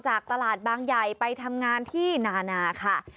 จากตลาดบางใหญ่ไปทำงานที่นานาค่ะ